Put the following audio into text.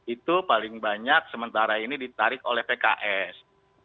itu paling banyak sementara ini ditarik oleh pks